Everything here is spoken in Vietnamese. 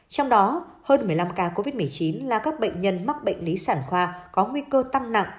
trong đó hơn một mươi năm ca covid một mươi chín là các bệnh nhân mắc bệnh lý sản khoa có nguy cơ tăng nặng